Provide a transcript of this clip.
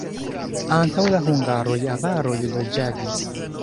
Antaŭ la hungaroj avaroj loĝadis.